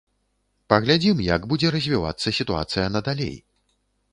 Паглядзім, як будзе развівацца сітуацыя надалей.